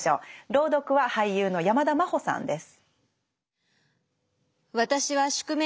朗読は俳優の山田真歩さんです。